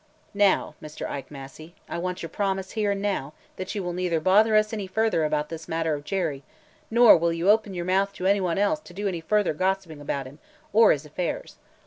"Now, Mr. Ike Massey, I want your promise, here and now, that you will neither bother us any further about this matter of Jerry, nor will you open your mouth to any one else to do any further gossiping about him or his affairs.